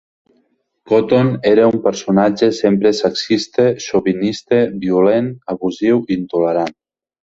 Cotton era un personatge sempre sexista, xovinista, violent, abusiu i intolerant.